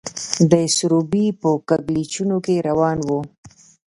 د سروبي په کږلېچونو کې روان وو.